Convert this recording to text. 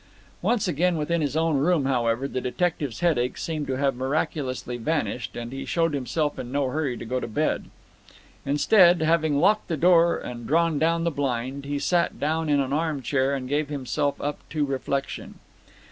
Once again within his own room, however, the detective's headache seemed to have miraculously vanished, and he showed himself in no hurry to go to bed. Instead, having locked the door and drawn down the blind, he sat down in an arm chair and gave himself up to reflection.